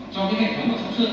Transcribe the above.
cho cái hệ thống ở phú xuyên